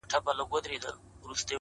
نن د سيند پر غاړه روانېږمه.!